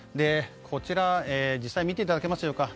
こちら、実際に見ていただけますでしょうか。